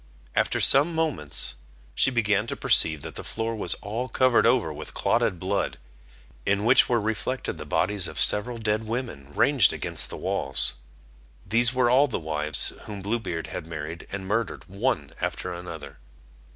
After some moments she began to perceive that the floor was all covered over with clotted blood, in which were reflected the bodies of several dead women ranged against the walls: these were all the wives whom Blue Beard had married and murdered one after another.